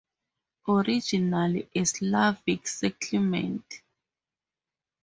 Originally a Slavic settlement.